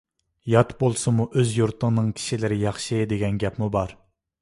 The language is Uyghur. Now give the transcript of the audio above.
«يات بولسىمۇ ئۆز يۇرتۇڭنىڭ كىشىلىرى ياخشى» دېگەن گەپمۇ بار.